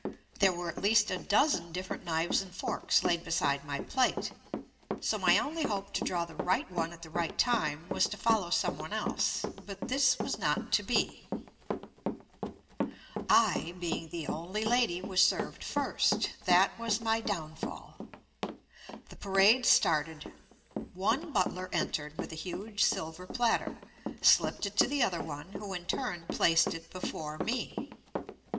There were at least a dozen different knives and forks laid beside my plate, so my only hope to draw the right one at the right time was to follow some one else — but this was not to be. I, being the only lady, was served first. That was my downfall. The parade started. One butler entered with a huge silver platter, slipped it to the other one, who in turn placed it before me.